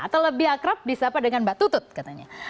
atau lebih akrab di siapa dengan mbak tutut katanya